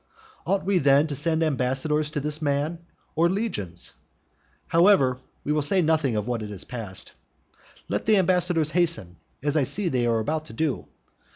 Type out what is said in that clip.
Ought we then to send ambassadors to this man, or legions? However, we will say nothing of what is past. Let the ambassadors hasten, as I see that they are about to do.